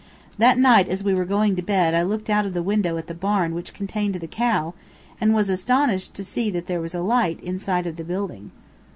That night as we were going to bed I looked out of the window at the barn which contained the cow, and was astonished to see that there was a light inside of the building.